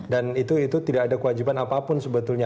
dan itu tidak ada kewajiban apapun sebetulnya